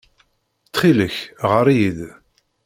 Ttxil-k, ɣer-iyi-d.